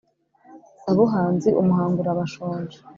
sabuhanzi, umuhangurabashonji